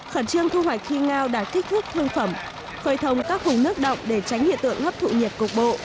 khẩn trương thu hoạch khi ngao đã thích thức hương phẩm phơi thông các hùng nước động để tránh hiện tượng hấp thụ nhiệt cục bộ